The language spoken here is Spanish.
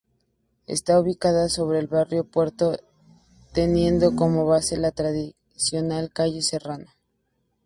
Está ubicado sobre el Barrio Puerto, teniendo como base la tradicional calle Serrano.